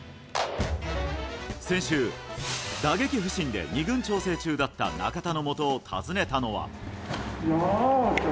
先週、打撃不振で２軍調整中だった中田のもとを訪ねたのは。